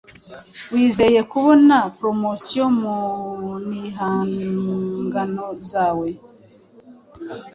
wizeye kubona promotion mu nhingano zawe